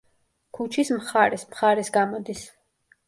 ქუჩის მხარეს მხარეს გამოდის.